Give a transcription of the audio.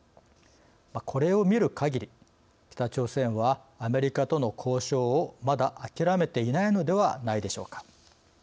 これを見るかぎり北朝鮮はアメリカとの交渉をまだ諦めていないのではないでしょうか。